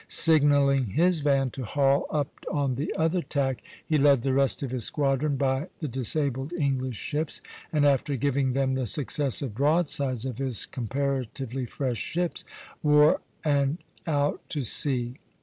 Signalling his van to haul up on the other tack (e), he led the rest of his squadron by the disabled English ships, and after giving them the successive broadsides of his comparatively fresh ships, wore (d), and out to sea (D).